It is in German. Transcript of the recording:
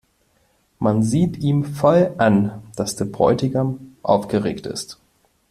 Man sieht ihm voll an, dass der Bräutigam aufgeregt ist.